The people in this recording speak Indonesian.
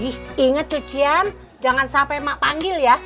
ih inget cucian jangan sampai ma'am panggil ya